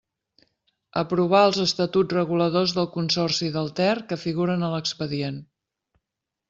Aprovar els estatuts reguladors del Consorci del Ter que figuren a l'expedient.